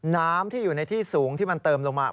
น้ำที่อยู่ในที่สูงที่มันเติมลงมา